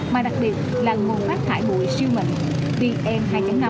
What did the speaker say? mà đặc biệt là nguồn phát thải bụi siêu mẩn pm hai năm